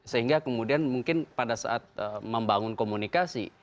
sehingga kemudian mungkin pada saat membangun komunikasi